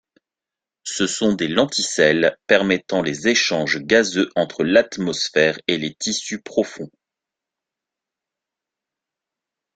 Ce sont des lenticelles permettant les échanges gazeux entre l'atmosphère et les tissus profonds.